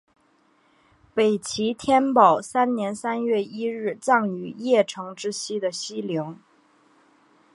北齐天保三年三月一日葬于邺城之西的西陵。